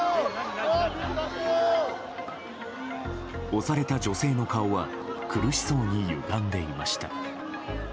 押された女性の顔は苦しそうに歪んでいました。